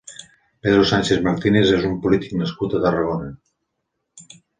Pedro Sánchez Martínez és un polític nascut a Tarragona.